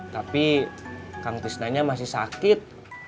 tapi kang krisnanya masih sakit